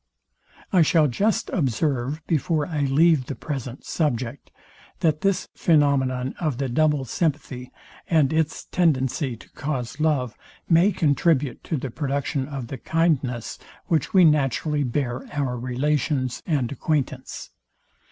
I. shall just observe, before I leave the present subject, that this phænomenon of the double sympathy, and its tendency to cause love, may contribute to the production of the kindness, which we naturally bear our relations and acquaintance.